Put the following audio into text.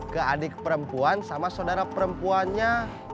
ke adik perempuan sama saudara perempuannya